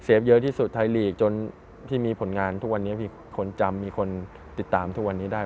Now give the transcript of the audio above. เยอะที่สุดไทยลีกจนที่มีผลงานทุกวันนี้พี่คนจำมีคนติดตามทุกวันนี้ได้